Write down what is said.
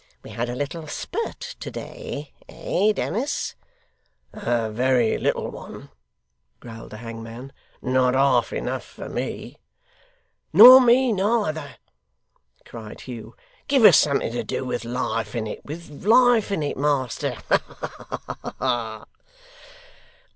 We had a little spurt to day eh, Dennis?' 'A very little one,' growled the hangman. 'Not half enough for me.' 'Nor me neither!' cried Hugh. 'Give us something to do with life in it with life in it, master. Ha, ha!